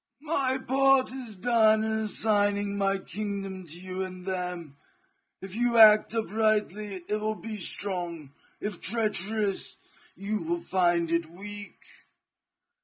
My part is done in assigning my kingdom to you and them. If you act uprightly it will be strong, if treacherous, you will find it weak.